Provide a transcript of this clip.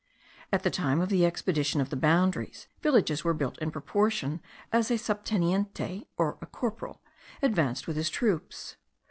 At the time of the expedition of the boundaries, villages were built in proportion as a subteniente, or a corporal, advanced with his troops.